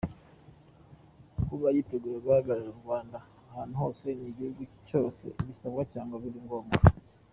Kuba yiteguye guhagararira u Rwanda ahantu hose n’igihe cyose abisabwe cyangwa biri ngombwa;.